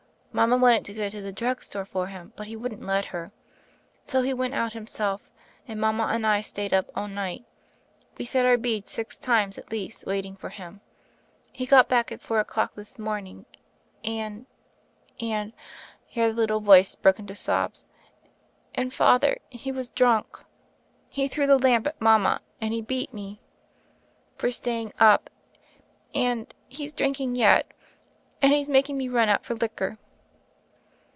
Mama wanted to go to the drugstore ^r him, but he wouldn't let her. So he went out himself, and mama and I stayed up all night. We said our beads six times at least waiting for him. He got back at four o'clock this morn ing, and — and " here the little voice broke into sobs — "and. Father, he was drunk. He threw the lamp at mama, and he beat me for 82 THE FAIRY OF THE SNOWS staying up; and — he's drinking yet. And he's making me run out for liquor."